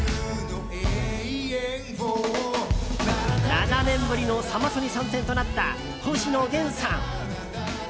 ７年ぶりのサマソニ参戦となった星野源さん。